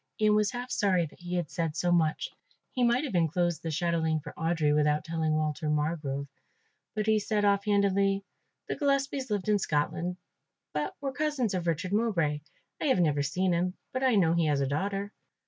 Ian was half sorry that he had said so much, he might have enclosed the chatelaine for Audry without telling Walter Margrove; but he said off handedly; "The Gillespies lived in Scotland, but were cousins of Richard Mowbray. I have never seen him, but I know he has a daughter."